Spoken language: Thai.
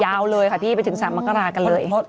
ยาวเลยค่ะพี่ไปถึง๓มกรากันเลย